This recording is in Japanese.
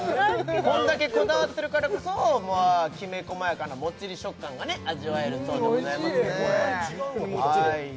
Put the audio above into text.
こんだけこだわってるからこそきめ細やかなモッチリ食感がね味わえるそうでございますおいしいね